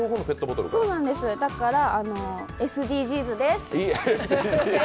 だからＳＤＧｓです。